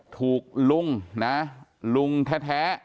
ถูกลุงนะลุงแท้